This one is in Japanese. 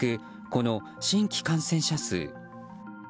この新規感染者数。